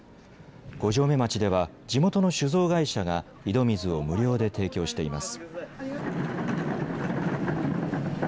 五城目町では地元の酒造会社が井戸水を無料で提供しています。